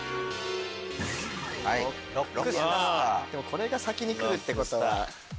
これが先にくるってことは。